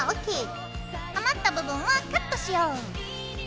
余った部分はカットしよう。